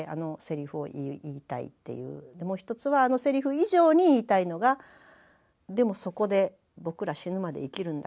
もう一つはあのセリフ以上に言いたいのがでもそこで僕ら死ぬまで生きるんだよ